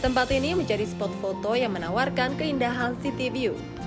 tempat ini menjadi spot foto yang menawarkan keindahan city view